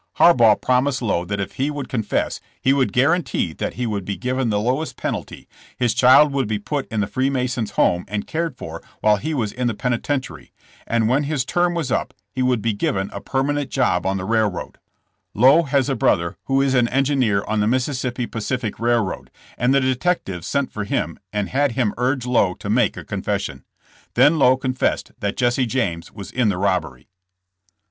Harbaugh promised Lowe that if he would confess he would guarantee that he would be given the lowest penalty, his child would be put in the Free Masons* home and cared for while he was in the penitentiary, and when his term was up he would be given a permanent job on the railroad, Lowe has a brother who is an engineer on the Mis souri Pacific railroad, and the detectives sent for him and had him urge Lowe to make a confession. Then Lowe confessed that Jesse James was in the rob bery."